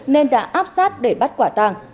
nên đã áp sát để bắt quả tàng